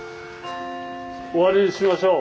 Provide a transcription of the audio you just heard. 終わりにしましょう。